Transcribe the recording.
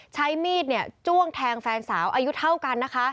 ใช้มีดจ้วงแทนแฟนสาวอายุเท่ากัน